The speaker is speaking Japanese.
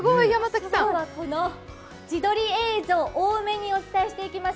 今日はこの自撮り映像多めにお送りしていきます。